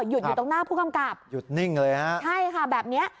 หยุดอยู่ตรงหน้าผู้กำกับแบบนี้ค่ะหยุดนิ่งเลย